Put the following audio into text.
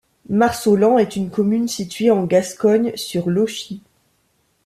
Marsolan est une commune située en Gascogne sur l'Auchie.